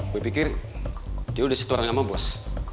gue pikir dia udah setoran sama bos